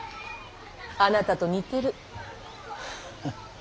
あなたと似てる。